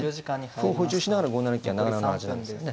歩を補充しながら５七金はなかなかの味なんですよね。